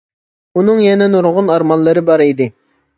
ئۇنىڭ يەنە نۇرغۇن ئارمانلىرى بار ئىدى.